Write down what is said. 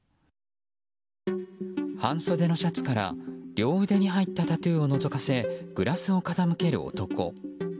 半袖のシャツから両腕に入ったタトゥーをのぞかせグラスを傾ける男。